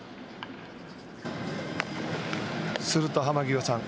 すると濱涯さん